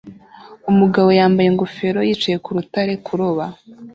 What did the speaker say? Umugabo wambaye ingofero yicaye ku rutare kuroba